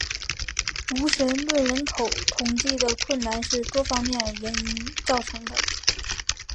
无神论人口统计的困难是多方面原因造成的。